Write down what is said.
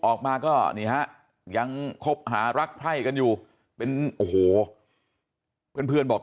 ออกมาก็นี่ฮะยังคบหารักไพร่กันอยู่เป็นโอ้โหเพื่อนบอก